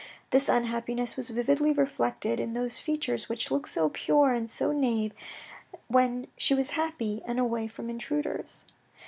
This unhappiness was vividly reflected in those features which looked so pure and so nave when she was happy and away from intruders.